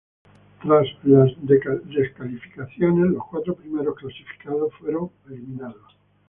Tras las descalificaciones, los cuatro primeros clasificados fueron eliminados.